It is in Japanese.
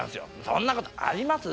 そんなことあります？